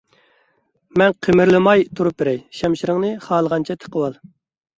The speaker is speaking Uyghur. مەن قىمىرلىماي تۇرۇپ بېرەي، شەمشىرىڭنى خالىغانچە تىقىۋال!